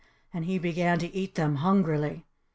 And he began to eat them hungrily.